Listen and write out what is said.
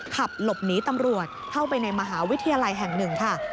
ขับหลบหนีตำรวจเข้าไปในมหาวิทยาลัยแห่งหนึ่งค่ะ